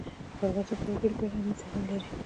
افغانستان د وګړي په اړه علمي څېړنې لري.